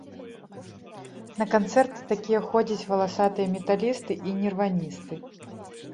На канцэрты такія ходзяць валасатыя металісты і нірваністы.